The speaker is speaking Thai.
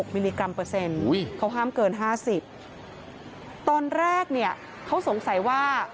มิลลิกรัมเปอร์เซ็นต์เขาห้ามเกิน๕๐ตอนแรกเนี่ยเขาสงสัยว่า